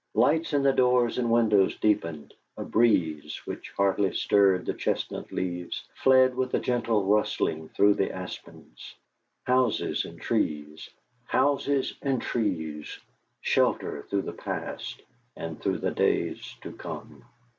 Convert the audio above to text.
Lights in the doors and windows deepened; a breeze, which hardly stirred the chestnut leaves, fled with a gentle rustling through the aspens. Houses and trees, houses and trees! Shelter through the past and through the days to come!